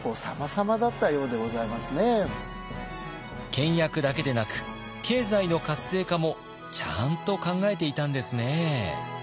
倹約だけでなく経済の活性化もちゃんと考えていたんですね。